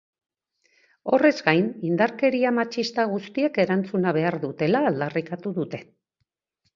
Horrez gain, indarkeria matxista guztiek erantzuna behar dutela aldarrikatu dute.